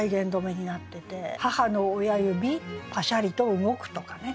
「母の親指パシャリと動く」とかね。